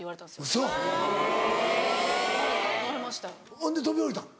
ほんで飛び降りたの？